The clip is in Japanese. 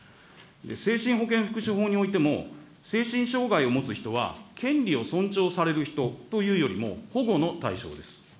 精神保健福祉法においても、精神障害を持つ人は権利を尊重される人というよりも、保護の対象です。